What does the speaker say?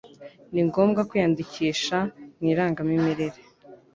ningombwa kwiyandikisha m' irangamimerere